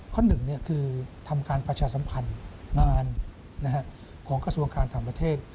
หนึ่งคือทำการประชาสัมพันธ์งานของกระทรวงการต่างประเทศ